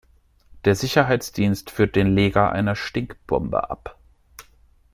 Der Sicherheitsdienst führt den Leger einer Stinkbombe ab.